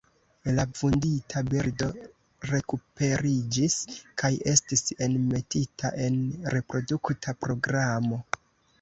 La vundita birdo rekuperiĝis kaj estis enmetita en reprodukta programo.